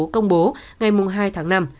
công bố ngày hai tháng năm